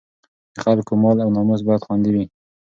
د خلکو مال او ناموس باید خوندي وي.